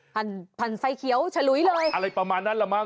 พันไฟเขียวฉลุยเลยอะไรประมาณนั้นละมั